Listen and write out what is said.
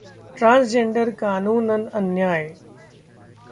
ट्रांसजेंडर-कानूनन अन्याय